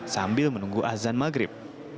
sambil menunggu azan maghrib